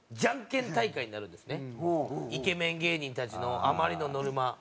イケメン芸人たちの余りのノルマ。